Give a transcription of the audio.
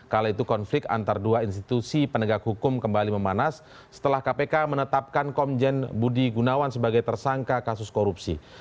kala itu konflik antara dua institusi penegak hukum kembali memanas setelah kpk menetapkan komjen budi gunawan sebagai tersangka kasus korupsi